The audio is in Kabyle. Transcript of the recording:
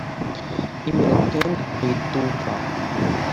Imir-a kan ay d-uwḍeɣ.